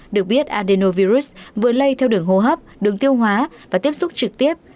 được biết adenovirus vừa lây theo đường hô hấp đường tiêu hóa và tiếp xúc trực tiếp